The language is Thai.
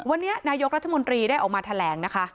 วันนี้นายกรัฐมนตรีได้ออกมาแถลงนะคะ